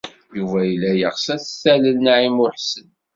Yuba yella yeɣs ad t-talel Naɛima u Ḥsen.